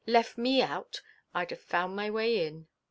Left me out? I'd have found my way in."